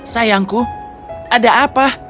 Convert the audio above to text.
sayangku ada apa